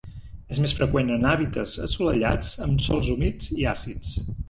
És més freqüent en hàbitats assolellats amb sòls humits i àcids.